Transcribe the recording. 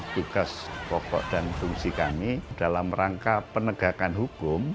tugas pokok dan fungsi kami dalam rangka penegakan hukum